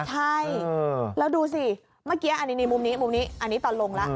ใช่แล้วดูสิเมื่อกี้อันนี้มุมนี้มุมนี้อันนี้ตอนลงแล้ว